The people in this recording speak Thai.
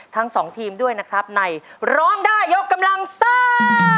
ทั้งสองทีมด้วยนะครับในร้องได้ยกกำลังซ่า